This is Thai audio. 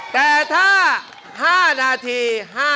แต่ถ้า๕นาที